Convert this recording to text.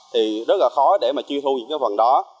thì rất là khó để mà truy thu những cái phần đó